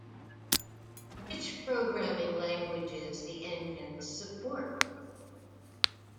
Which programming languages the engines support.